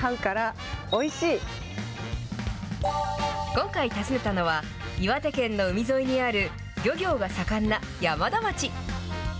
今回、訪ねたのは、岩手県の海沿いにある漁業が盛んな山田町。